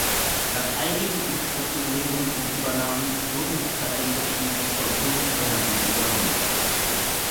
Nach einigen Umstrukturierungen und Übernahmen wurden die Patente schließlich von Prudent Energy übernommen.